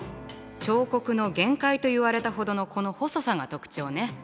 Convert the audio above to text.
彫刻の限界といわれたほどのこの細さが特徴ね。